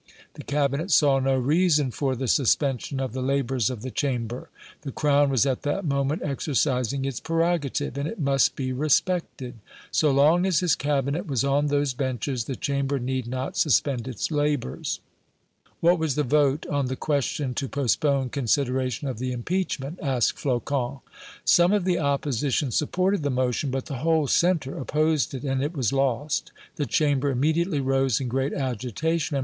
The cabinet saw no reason for the suspension of the labors of the Chamber. The Crown was at that moment exercising its prerogative, and it must be respected. So long as his cabinet was on those benches, the Chamber need not suspend its labors." "What was the vote on the question to postpone consideration of the impeachment?" asked Flocon. "Some of the opposition supported the motion, but the whole centre opposed it, and it was lost. The Chamber immediately rose in great agitation, and M.